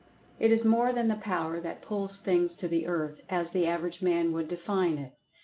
It is more than the power that "pulls things to the earth," as the average man would define it.